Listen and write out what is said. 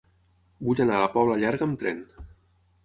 Vull anar a la Pobla Llarga amb tren.